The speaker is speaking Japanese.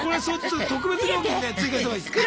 特別料金ね追加したほうがいいです。